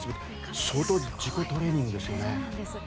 相当な自己トレーニングですね。